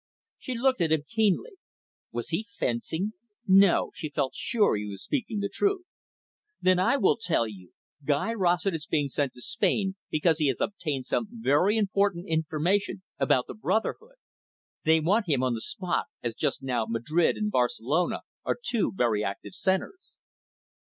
She looked at him keenly. Was he fencing? No, she felt sure he was speaking the truth. "Then I will tell you. Guy Rossett is being sent to Spain because he has obtained some very important information about the brotherhood. They want him on the spot, as just now Madrid and Barcelona are two very active centres."